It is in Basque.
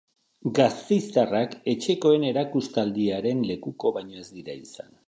Gasteiztarrak etxekoen erakustaldiaren lekuko baino ez dira izan.